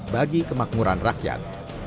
bagi kemakmuran rakyat